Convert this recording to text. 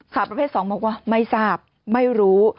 ประเภท๒บอกว่าไม่ทราบไม่รู้